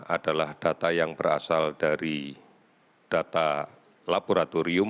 adalah data yang berasal dari data laboratorium